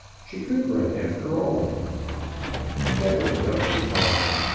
She could run after all. That was enough for Pod.